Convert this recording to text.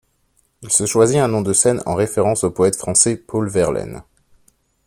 Il se choisit un nom de scène en référence au poète français Paul Verlaine.